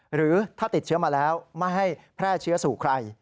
หรือถ้าติดเชื้อมาแล้วไม่ให้แพร่เชื้อสู่ใคร